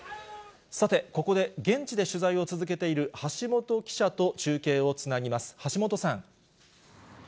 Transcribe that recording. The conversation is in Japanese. さて、ここで現地で取材を続けている橋本記者と中継をつなぎます。